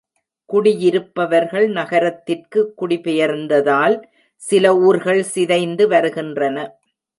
குடியிருப்பவர்கள் நகரத்திற்கு குடிபெயர்ந்ததால் சில ஊர்கள் சிதைந்து வருகின்றன.